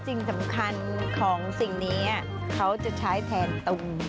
สิ่งสำคัญของสิ่งนี้เขาจะใช้แทนตุง